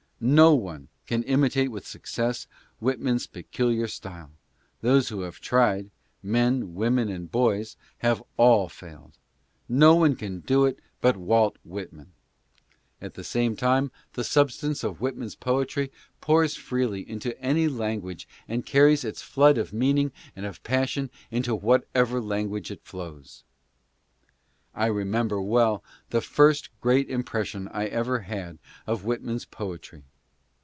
No one can imitate with success Whitman's pecu liar style ; those who have tried — men, women and boys — have all failed. No one can do it but Walt Whitman. At the same 3 5 ADDRESSES. time the substance of Whitman's poetry pours freely into any language and carries its flood of meaning and of passion into whatever language it flows. I remember well the first great impression I ever had of W lkman's poetry.